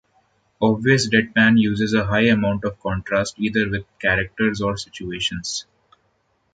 Obvious deadpan uses a high amount of contrast either with characters or situations.